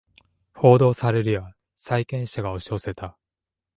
報道されるや債権者が押し寄せた